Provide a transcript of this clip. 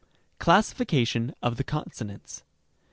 4, CLASSIFICATION OF THE CONSONANTS.